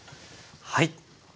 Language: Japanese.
はい。